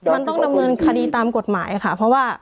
มันต้องดำเนินคดีตามกฎหมายค่ะเพราะว่า